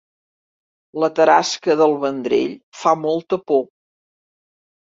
La tarasca del Vendrell fa molta por